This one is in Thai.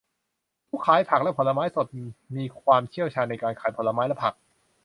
ผู้ขายผักและผลไม้สดมีความเชี่ยวชาญในการขายผลไม้และผัก